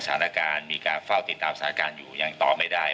สถานการณ์มีการเฝ้าติดตามสถานการณ์อยู่ยังตอบไม่ได้